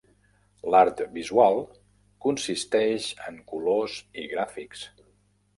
L'art visual consisteix en colors i gràfics.